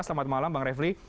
selamat malam bang refli